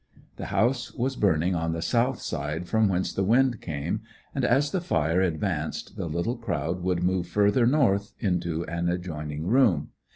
The house was burning on the south side from whence the wind came, and as the fire advanced the little crowd would move further north, into an adjoining room.